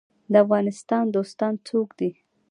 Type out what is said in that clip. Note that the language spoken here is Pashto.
د افغانستان دوستان څوک دي؟